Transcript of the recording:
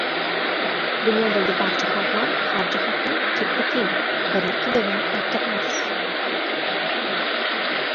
Dunyodagi barcha xalqlar har jihatdan ham teppa-teng: biri ikkinchisidan ortiq emas.